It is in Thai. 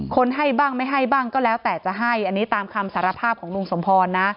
ให้บ้างไม่ให้บ้างก็แล้วแต่จะให้อันนี้ตามคำสารภาพของลุงสมพรนะ